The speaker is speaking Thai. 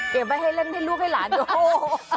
ไว้ให้เล่นให้ลูกให้หลานดู